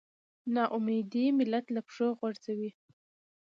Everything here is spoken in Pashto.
نا اميدي ملت له پښو غورځوي.